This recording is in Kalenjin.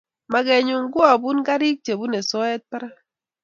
Magenyu ko abun garik che bunei soet barak